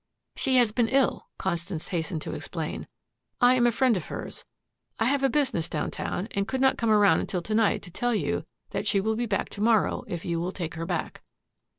"She has been ill," Constance hastened to explain. "I am a friend of hers. I have a business downtown and could not come around until to night to tell you that she will be back to morrow if you will take her back."